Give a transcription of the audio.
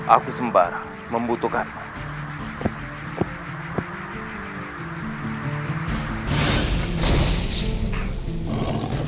aku sembarang membutuhkanmu